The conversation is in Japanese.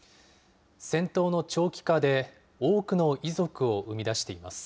戦闘の長期化で多くの遺族を生み出しています。